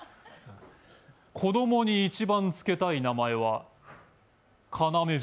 子供に一番つけたい名前は要潤。